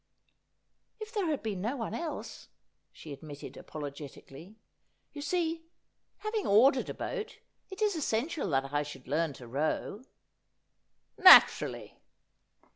' If there had been no one else,' she admitted apologetically. ' You see, having ordered a boat, it is essential that I should learn to row.' ' Naturally.'